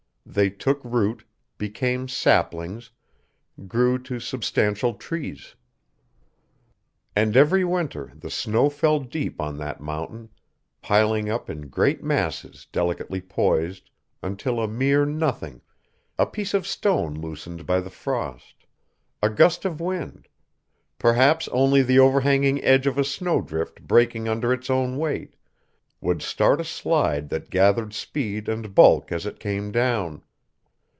They took root, became saplings, grew to substantial trees. And every winter the snow fell deep on that mountain, piling up in great masses delicately poised, until a mere nothing a piece of stone loosened by the frost; a gust of wind; perhaps only the overhanging edge of a snow drift breaking under its own weight would start a slide that gathered speed and bulk as it came down.